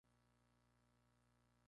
Se casó con Antonia Salgado de Ribera.